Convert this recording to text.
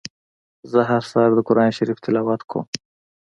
زه هر سهار د قرآن شريف تلاوت کوم.